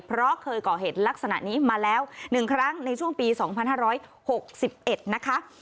เพราะเคยก่อเหตุลักษณะนี้มาแล้วหนึ่งครั้งในช่วงปีสองพันห้าร้อยหกสิบเอ็ดนะคะ